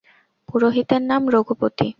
পুরোহিতের নাম রঘুপতি।